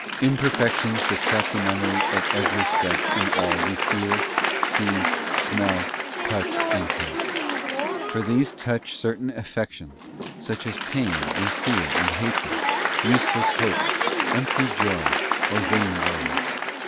Imperfections beset the Memory at every step in all we hear, see, smell, touch, and taste ; for these touch certain affections, such as pain and fear and hatred, useless hopes, empty joy, or vain glory.